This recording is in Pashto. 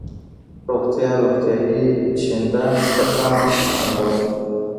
روغتيا، روغتیایي ،شين ډنډ، پټان ، خوندور،